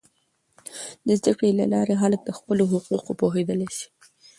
د زده کړې له لارې، خلک د خپلو حقونو پوهیدلی سي.